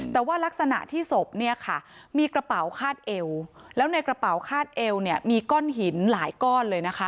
แต่ว่ารักษณะที่ศพเนี่ยค่ะมีกระเป๋าคาดเอวแล้วในกระเป๋าคาดเอวเนี่ยมีก้อนหินหลายก้อนเลยนะคะ